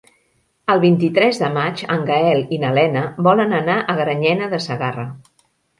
El vint-i-tres de maig en Gaël i na Lena volen anar a Granyena de Segarra.